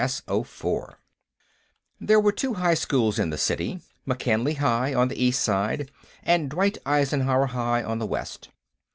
There were two high schools in the city: McKinley High, on the east side, and Dwight Eisenhower High, on the west.